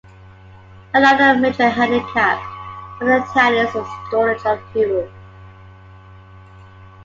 Another major handicap for the Italians was the shortage of fuel.